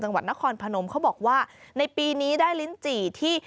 จังหวัดนครพนมเขาบอกว่าในปีนี้ได้ลิ้นจี่ที่